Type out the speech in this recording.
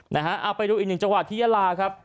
นะฮะเอาไปดูอีกหนึ่งจังหวัดที่ยาลาครับ